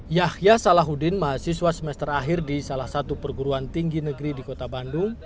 yahya salahuddin mahasiswa semester akhir di salah satu perguruan tinggi negeri di kota bandung